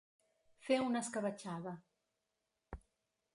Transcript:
Fer una escabetxada.